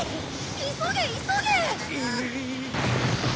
急げ急げ！